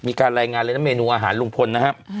มีการรายงานเลยนะเมนูอาหารลุงพลนะครับ